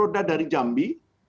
satu roda dari jambi